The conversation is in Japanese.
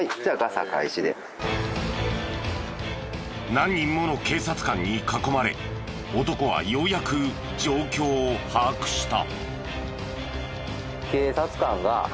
何人もの警察官に囲まれ男はようやく状況を把握した。